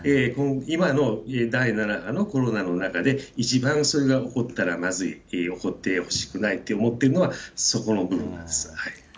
今の第７波のコロナの中で、一番それが起きたらまずい、起こってほしくないと思ってるのは、そこの部分なんです。